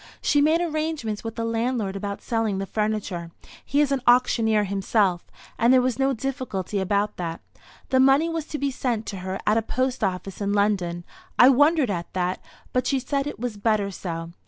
She made arrangements with the landlord about selling the furniture. He is an auctioneer himself, and there was no difficulty about that. The money was to be sent to her at a post office in London. I wondered at that, but she said it was better so.